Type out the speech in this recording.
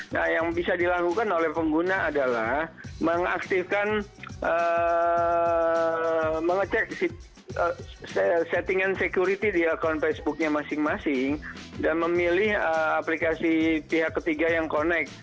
nah yang bisa dilakukan oleh pengguna adalah mengaktifkan mengecek settingan security di akun facebooknya masing masing dan memilih aplikasi pihak ketiga yang connect